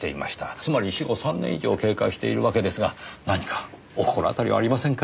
つまり死後３年以上経過しているわけですが何かお心当たりはありませんか？